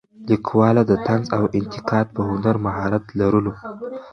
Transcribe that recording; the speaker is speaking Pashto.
لیکواله د طنز او انتقاد په هنر مهارت لرلو.